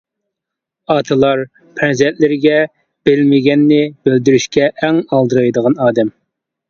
ئاتىلار پەرزەنتلىرىگە بىلمىگەننى بىلدۈرۈشكە ئەڭ ئالدىرايدىغان ئادەم.